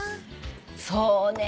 そうね。